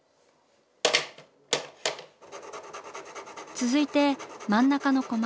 続いて真ん中のコマ。